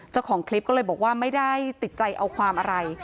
เจ้าของคลิปก็เลยบอกว่าไม่ได้ติดใจเอาความอะไร